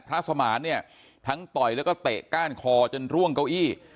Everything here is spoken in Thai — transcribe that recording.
สมานเนี่ยทั้งต่อยแล้วก็เตะก้านคอจนร่วงเก้าอี้